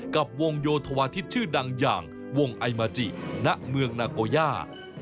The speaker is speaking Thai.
กับวงโยธวาทิศชื่อดังอย่างวงไอมาจิณเมืองนาโกย่า